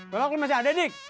belok lu masih ada di